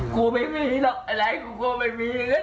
กูไม่มีหรอกอะไรกูกลัวไม่มีนะ